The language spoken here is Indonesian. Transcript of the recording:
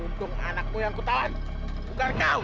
untung anakmu yang kutahuan bukan kau